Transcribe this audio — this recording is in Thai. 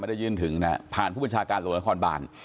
ได้ยื่นถึงนะผ่านผู้บัญชาการตำรวจนครบาน